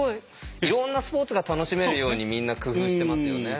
いろんなスポーツが楽しめるようにみんな工夫してますよね。